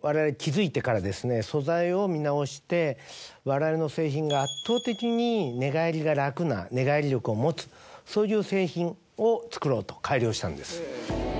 われわれの製品が圧倒的に寝返りが楽な寝返り力を持つそういう製品を作ろうと改良したんです。